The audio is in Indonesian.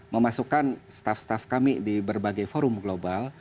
memasukkan staff staff kami di berbagai forum global